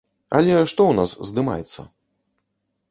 Але што ў нас здымаецца?